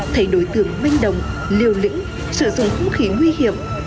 thấy đối tượng minh đồng liều lĩnh sử dụng khí nguy hiểm